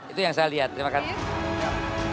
itu yang saya lihat terima kasih